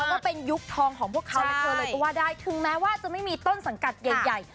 แล้วก็เป็นยุคทองของพวกเขาและเธอเลยก็ว่าได้ถึงแม้ว่าจะไม่มีต้นสังกัดใหญ่ใหญ่